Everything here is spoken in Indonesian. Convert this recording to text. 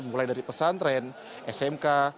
mulai dari pesantren smk